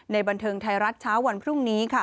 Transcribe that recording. บันเทิงไทยรัฐเช้าวันพรุ่งนี้